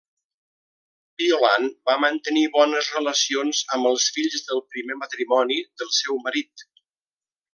Violant va mantenir bones relacions amb els fills del primer matrimoni del seu marit.